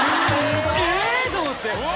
えぇ！と思って。